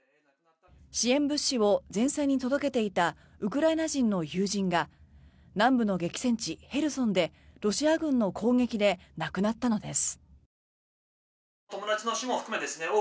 支援物資を前線に届けていたウクライナ人の友人が南部の激戦地ヘルソンでロシア軍の攻撃で亡くなったのです。